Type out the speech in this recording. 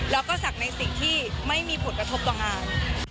แล้วก็ศักดิ์ในสิ่งที่ไม่มีผลกระทบต่องาน